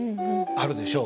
あるでしょう？